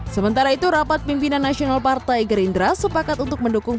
sementara itu rapat pimpinan nasional partai gerindra sepakat untuk mendukung